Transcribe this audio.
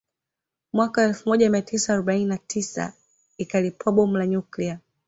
Mwaka wa elfu moja mia tisa arobaini na tisa ikalipua Bomu la nyukilia